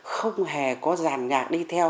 không hề có giàn nhạc đi theo